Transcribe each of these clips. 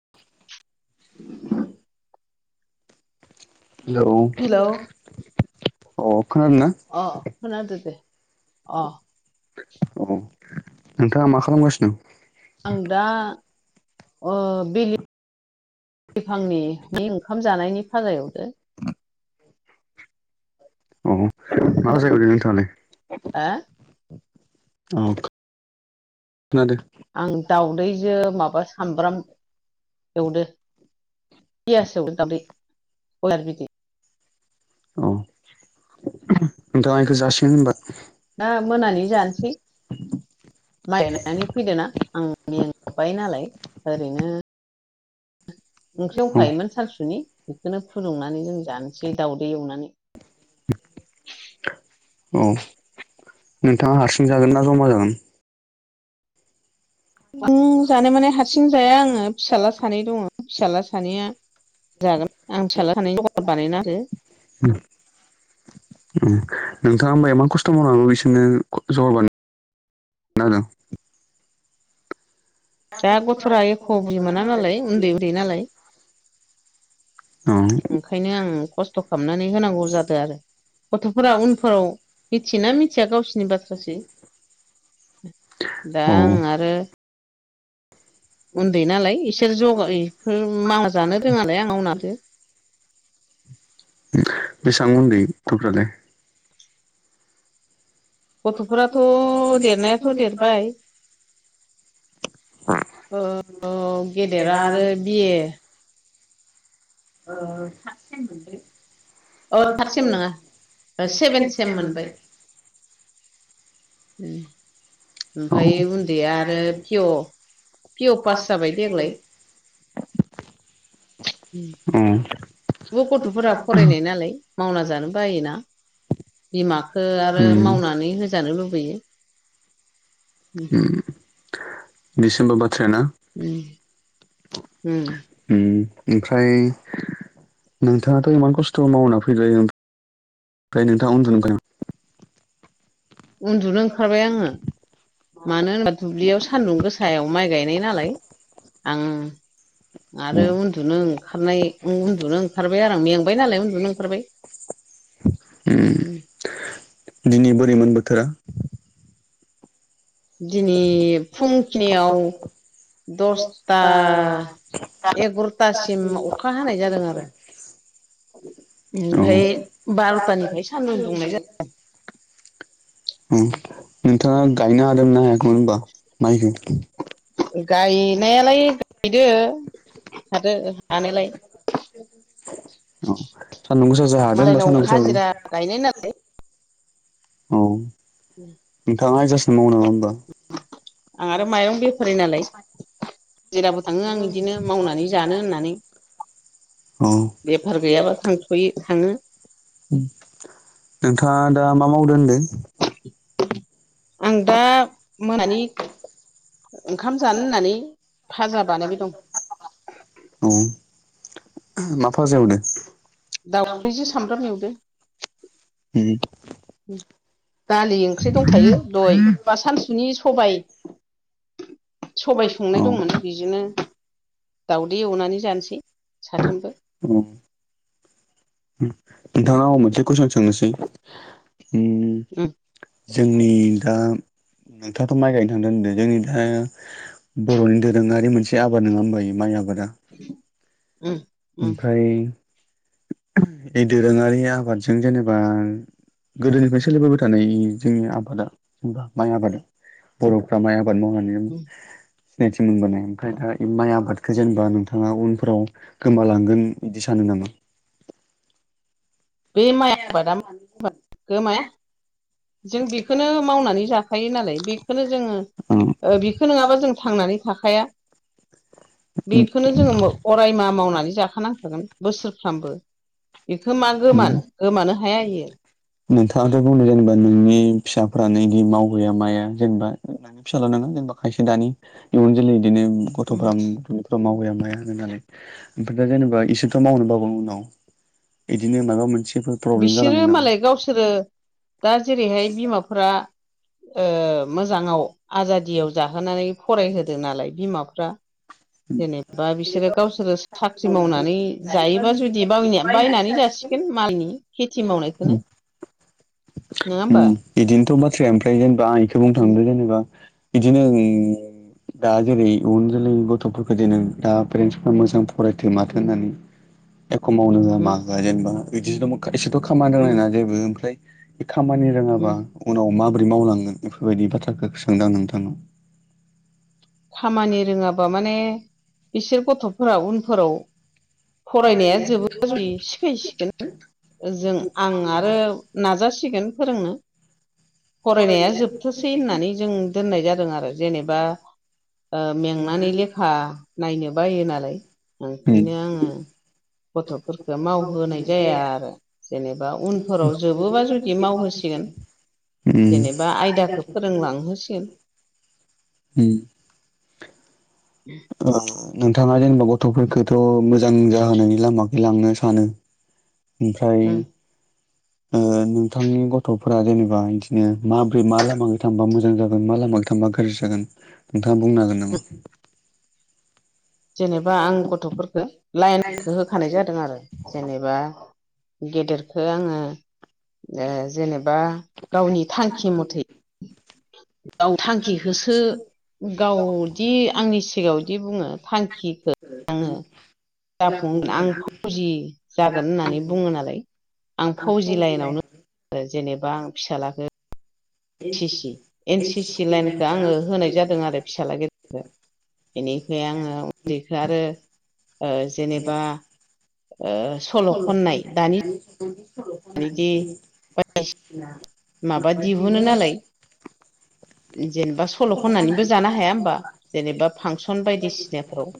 [inaudible] Hello hello अ खोनादों ना खोनादो दे। अ औ नोंथाङा मा खालामगासिनो? आं दा बेलि बिफांनिनि ओंखाम जानायनि खाजा एवदों अ माबा [unintelligible] नोंथाङालाय? हा औ खोनादों आं दाावदैजों माबा सामब्राम एवदो पियास एवदों दावदै बयलार बिदै। अ नोंथांआ इखो जासिगोन होमबा? दा मोनानि जानोसै। नायनानै फैदोना आं मेंबाय नालाय ओरैनो ओंख्रि औ एवखायोमोन सानसुनि बेखौनो फुदुंनानै जों जानोसै दाउदै एवनानै [inaudible] औ नोंथाङा हारसिं जागोन ना जमा जागोन? उम जानो माने हारसिं जाया आङो फिसाला सानै दङो फिसाला सानैया जागोन आं फिसाज्ला सानैनो‌ जगार बानायना होदो। ओं नोंथाङा होमबा एमान खस्थ' मावनाबो बिसोरनो जगार बानायना [inaudible] आरो। दा [unintelligible] गथ'रा एख' मोना बुजि मोना नालाय उन्दै उन्दै नालाय बेनिखायनो आरो। ओंखायनो आं खस्थ' खालामनानै होनांगौ जादों आरो। गथ'फोरा उनफोराव मिथियोना मिथिया गावसिनि बाथ्रासै दा औ आं आरो उन्दै नालाय इसोर जगाय [inaudible] मावना जानो रोङालाय आं मावना होदो। बेसां उन्दै गथ'फ्रालाय? गथ'फोराथ' देरनायाथ' देरबाय। औ औ गेदेरा आरो बि ए। ओ थाद सेम मोनबाय। औ थार्द सेम नङा सेभेन सेम मोनबाय। औ उम ओमफायो उन्दैया आरो पि अ । पि अ पास जाबाय देग्लाय। अह। थेवबो गथ'फोरा फरायनाय नालाय मावना जानो बायोना। बिमाखो आरो मावनानै होजानो लुबैयो। उम दिडिसेम्बर बा ट्रेना? उम ओमफ्राय नोंथाङाथ' इमान खस्थ' मावना फैबाय ओम ओमफ्राय नोंथाङा उन्दनो ओंखारबायमोन? उन्दुनो ओंखारबाय आङो। मानो होनबा दुब्लियाव सान्दुं गोसायाव माइ गायनाय नालाय, आं नामा? आरो उन्दुनो ओंखारनाय उन्दुनो ओंखारबाय आरों मेंबाय नालाय उन्दुनो ओंखारबाय। दिनै बोरैमोन बोथोरा? दिनै फुंखिनियाव दसथा एगर'थासिम अखा हानाय जादों आरो। औ ओमफाय बार'थानिफ्राय सान्दुं दुंनाय जा नोंथाङा गायनो हादों ना हायाखैमोन होनबा माइखौ? गायनायालाय गायदो हादो हानायालाय। औ सान्दुं गोसा जों हादों होनबा मालायनाव सान्दुं गोसाव? हाजिरा गायनाय नालाय औ नोंथाङा जेसां मावनो आं आरो माइरं बेफारि नालाय। हाजिराबो थाङो आं इदिनो मावनानै जानो होननानै। बेफार गैयाबा थांथ'यो थाङो अह। नोंथाङा दा मा मावदो होनदो? आं दा मोनानि ओंखाम जानो होननानै फाजा बानायबाय दं। औ मा फाजा एवदो? दाउजों सामब्राम एवदो [unintelligible] [inaudible] दालि ओंख्रि दंखायो दय बा सानसुनि सबाय सबाय औ संनाय दंमोन बिजोंनो दाउदै एवनानै जानोसै साथामबो। नोंथावाव आं मोनसे कुइसन सोंनोसै। उम जोंनि दा नोंथाङाथ' माइ गायनो थांदों होनदों जोंनि दा बर'नि दोरोङारि मोनसे आबाद नङा होनबा इयो माइ आबाद दा। उम उम ओमफ्राय ए दोरोङारि आबादजों जेनेबा गोदोनिफ्राय सोलिबोबाय थानाय जोंनि आबादा जेनबा माइ आबादा बर'फ्रा माइ आ बाद मावनानै उम सिनायथि मोनबोनाय। ओमफ्राय दा इ माइ आबादखो जेनेबा नोंथाङा उनफोराव गोमालांगोन इदि सान नो नामा? बे माइ आबादा मानो फैदों? गोमाया माया? जों नों बेखौनो बिखौनो मावनानै जाखायो नालाय जानांगोन बेखौनो जोङो आरो। बेखौ नङाबा जों थांनानै थाखाया। बेखोनो जोङो अरायमा मावनानै जाखानांखागोन बोसोरफ्रामबो। बेखो मा गोमानो गोमानो हाया इयो नोंथाङाथ' बुंनो जेनेबा नोंनि फिसाफ्रानो इदि मावहैया माया जेनेबा नोंनि फिसालानोना जेनेबा खायसे दानि इयुन जोलै बिदिनो गथ'फोरा मावहैया माया होनोलाय ओमफ्राय दा जेनेबा इसोरथ' मावनो बाबाय उनाव बिदिनो माबा मोनसे बिसोरो मालाय गावसोरो दा जेरैहाय बिमाफोरा ओ मोजाङाव आजादियाव जाहोनानै फरायहोदों नालाय बिमाफ्रा [inaudible] जेनेबा बिसोरो गावसोरो साख्रि मावनानै जायोबा जुदि बावनिया बायनानै जासिगोन मालनि खेथि मावनायखौनो नङा होमबा? उम इदिनोथ' ओमफ्राय जेनेबा आं इखौ बुंनो उम थांदों जेनेबा बिदिनो दा जेरै इयुन जोलै गथ'फोरखौ जे नों दा पेरेन्टसफ्रा मोजां फरायथो माथो होननानै एख' मावनो होआ मा उम होआ जेनेबा बिदिजोंबो खाय सेथ' खामानि रोंनाय उम ना जेबो ओमफ्राय बे खामानि उम रोङाबा उनाव मा माबोरै मावलांगोन बेफोरबायदि बाथ्राखौ सोंदां नोंथांनाव। खामानि रोङाबा माने बिसोर गथ'फोरा उनफोराव फरायनाया जोबो जुदि सिखायसिगोन। ओ जों आं आरो नाजासिगोन फोरोंनो फरायनाया जोबथोंसै होननानै जों दोननाय जादों आरो जेनेबा ओ मेंनानै लेखा नायनो बायो नालाय ओंखायनो आङो गथ'फोरखौ मावहोनाय जाया आरो जेनेबा बा उनफोराव जोबोबा जुदि मावहोसिगोन। उम जेनेबा आयदाखौ फोरोंलांहोसिगोन उम ओ नोंथाङा जेनबा गथ'फोरखौथ' मोजां जाहोनायनि लामखौ लांनो सानो ओमफ्राय उम नोंथांनि गथ'फोरा जेनेबा बिदिनो माब्रै मा लामाजों थांबा मोजां जागोन मा लामाजों थांबा गाज्रि जागोन नोंथाङा बुंनो हागोन नामा? जेनेबा आं गथ'फोरखौ लाइनखौ होखानाय जादों आरो जेनेबा गेदेरखौ आङो ओ जेनेबा गावनि थांखि मथै [inaudible] गाव थांखि होसो गावदि आंनि सिगाङावदि बुङो थांखिखौ आङो जाफुं आंथ' फौजि जागोन होननानै बुङो नालाय। आं फौजि लाइनावनो जेनेबा आं फिसालाखौ ए सि सि एन सि सि लाइनखौ आङो होनाय जादों आरो फिसाज्ला गिदेरनो बेनिफ्राय आङो उन्दैखौ आरो ओ जेनेबा सल' खननाय दानि जुगनि सल' खननानै बिदि दि बायदिसिना माबा दिहुनो नालाय जेनेबा सल' खननानैबो जानो हाया होनबा जेनेबा फांसन बायदिसिनाफोराव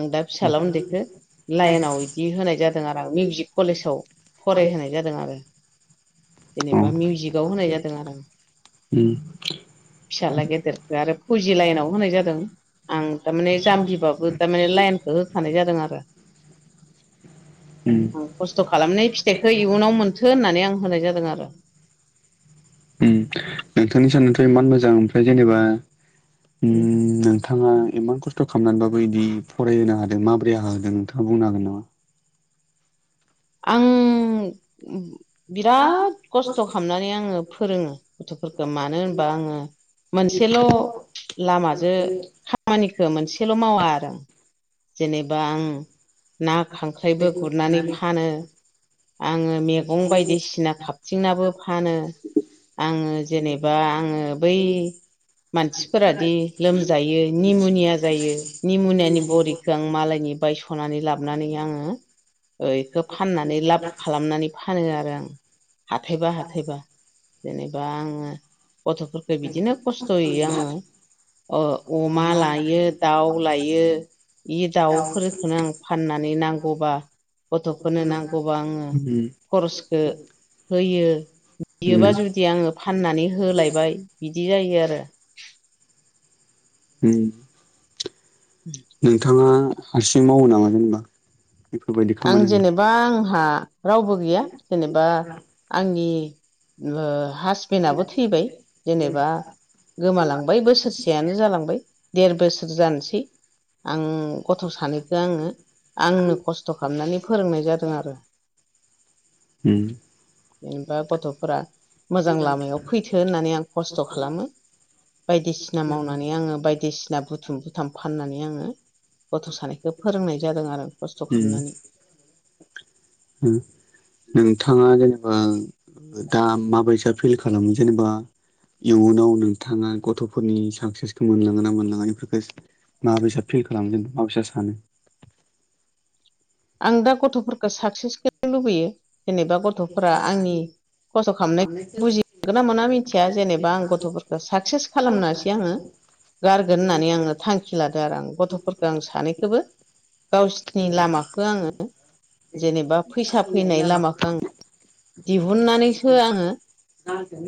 आं दा फिसाज्ला उन्दैखौ लाइनाव बिदि होनाय जादों आरो आं मिउजिक कलेजाव फरायहोनाय जादों आरो। औ जेनेबा मिउजिकआव होनाय जादों उम फिसाज्ला गेदेरखौ आरो फौजि लाइनाव होनाय जादों। आं थारमाने जाम्बिबाबो थारमाने लाइनखौ होखानाय जादों आरो। उम खस्थ' खालामनाय फिथाइखौ इयुनाव मोनथो होननानै आं होनाय जादों आरो। उम नोंथांनि साननायाथ' इमान मोजां ओमफ्राय जेनेबा उम नोंथाङा इमान खस्थ' खामनानैबाबो इदि फरायहोनो हादों माबोरै होदों नोंथाङा बुंनो हागोन नामा? आं बिराद खस्थ' खामनानै आङो फोरोङो गथ'फोरखो मानो होनबा आङो मोनसेल' ओंखायनो लामाजो खामानिखो मोनसेल' मावा आरो। जेनेबा आं ना खांख्राइबो गुरनानै फानो आङो मेगं बायदिसिना खाबथिंनाबो फानो। आङो जेनेबा आङो बै मानसिफोरादि लोमजायो निम'निया जायो निम'नेयानि बरि खो आं मालायनि बायस'नानै लाबनानै आङो ओ इखो फाननानै लाब खालामनानै फानो आरो आं। हाथायबा हाथायबा जेनेबा आङो गथ'फोरखो बिदिनो खस्थ'यै आङो। ओ अमा लायो दाउ लायो इ दाउफोरखोनो आं फाननानै नांगौबा गथ'फोरनो नांगौबा आङो उम खरसखो होयो। बियोबा उम जुदि आङो फाननानै होलायबाय बिदि जायो आरो। उम नोंथाङा हारसिं मावो नामा जेनेबा बेफोरबायदि आं खामानिखौ जेनेबा आंहा रावबो गैया जेनेबा आंनि ओ हासबेन्डआबो थैबाय जेनेबा गोमालांबाय बोसोरसेयानो जालांबाय देर बोसोर जानोसै। आं गथ' सानैखो आङो आंनो खस्थ' खस्थ' खालामनानै फोरोंनाय जादों आरो। उम उम बा गथ'फोरा मोजां लामायाव फैथो होननानै आं खस्थ' खालामो। बायदिसिना मावनानै आङो बायदिसिना बुथुम बु बुथाम फाननानै आङो गथ' सानैखो फोरोंनाय जादों आरो खस्थ' खामनानै उम नोंथाङा जेनेबा दा माबायसा फिल खालामो जेनेबा इयुनाव नोंथाङा गथ'फोरनि साक्सेसखौ मोनलाङो ना मोनलाङा इफोरखो इसे माबायसा फिल खालामगोन जेनेबा मा बिसा सानो आं दा गथ'फोरखो साक्सेसखोनो लुबैयो जेनेबा गथ'फोरा आंनि खस्थ' खालामनाय बुजिमोनगोना मोना मिथिया जेनेबा आं गथ'फोरखौ साक्सेस खालामनोसै आङो गारगोन होननानै आङो थांखि लादो आरो आं गथ'फोरखो आं सानैखौबो। गावसिनि लामाखो आङो जेनेबा फैसा फैनाय लामाखो आङो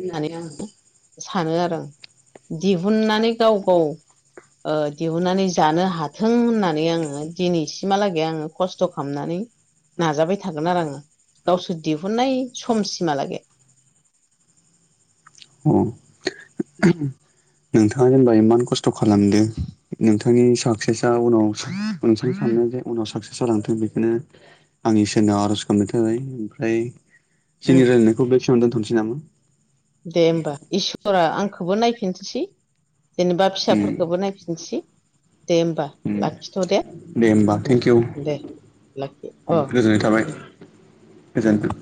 होननानै सानो आरो आं दिहुननानै गाव गाव ओ दिहुननानै जानो हाथों होननानै आङो दिनैसिमहालागै आङो खस्थ' खामनानै नाजाबाय थागोन आरो आङो गावसोर दिहुननाय समसिमहालागै। उम नोंथाङा जेनबा इमान खस्थ' खालामदो नोंथांनि साक्सेसआ उनाव नोंथां सानाय या उनाव साक्सेस जालांथों बेखोनो आंनि इसोरनाव आर'ज गाबनाय थाबाय ओमफ्राय उम जोंनि रायलायनायखौ बेखिनिआवनो दोनथ'नोसै नामा। दे होमबा इसरा आंखौबो नायफिनथोसै। जेनेबा उम फिसाफोरखोबो नायफिनसै दे होमबा उम लाखिथ' दे। होमबा थेंक इउ उम दे लाखि अ' उम गोजोनथों।